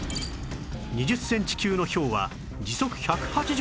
２０センチ級のひょうは時速１８０キロ